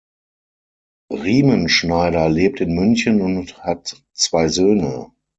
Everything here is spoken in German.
Riemenschneider lebt in München und hat zwei Söhne.